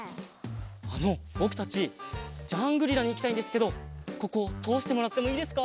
あのぼくたちジャングリラにいきたいんですけどこことおしてもらってもいいですか？